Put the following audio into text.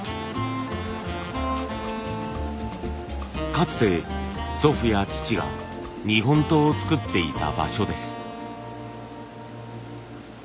かつて祖父や父が日本刀を作っていた場所です。